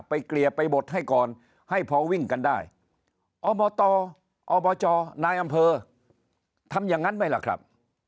เกลี่ยไปบดให้ก่อนให้พอวิ่งกันได้อบตอบจนายอำเภอทำอย่างนั้นไหมล่ะครับ